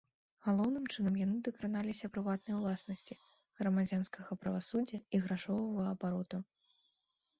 Галоўным чынам яны дакраналіся прыватнай уласнасці, грамадзянскага правасуддзя і грашовага абароту.